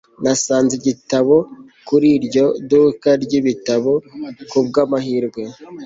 Nasanze igitabo kuri iryo duka ryibitabo kubwamahirwe